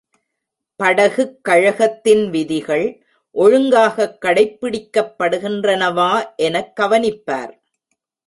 படகுக் கழகத்தின் விதிகள் ஒழுங்காகக் கடைப்பிடிக்கப்படுகின்றனவா எனக் கவனிப்பார்.